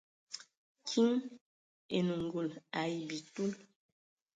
Kiŋ enə ngul ai bitil.